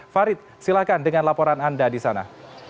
farid silahkan dengan laporan anda di sana